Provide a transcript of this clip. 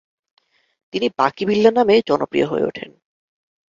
তিনি বাকি বিল্লাহ নামে জনপ্রিয় হয়ে উঠেন।